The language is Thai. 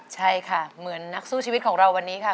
ใช่ค่ะเหมือนนักสู้ชีวิตของเราวันนี้ค่ะ